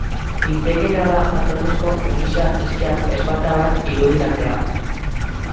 Litekeena da jatorrizko feniziar hizkiak ezpata bat irudikatzea.